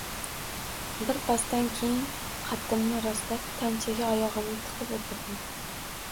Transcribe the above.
Birpasdan keyin qaddimni rostlab, tanchaga oyog‘imni tiqib o‘tirdim.